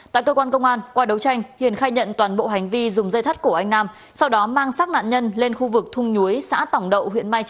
tại cơ quan công an qua đấu tranh hiền khai nhận toàn bộ hành vi dùng dây thắt của anh nam